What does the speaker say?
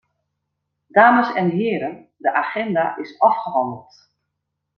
Dames en heren, de agenda is afgehandeld.